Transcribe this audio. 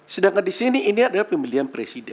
sedangkan di sini ini adalah pemilihan presiden